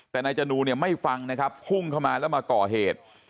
แต่นายจนูเนี่ยไม่ฟังนะครับพุ่งเข้ามาแล้วมาก่อเหตุ